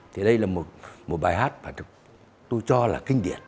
thì đây là một bài hát mà tôi cho là kinh điển